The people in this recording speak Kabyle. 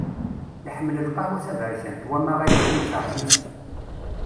Iḥemmel lqahwa taberkant, wama ayefki ikreh-it.